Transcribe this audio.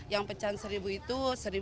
yang pecahan seribu itu seribu lima ratus